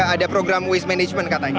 ada program waste management katanya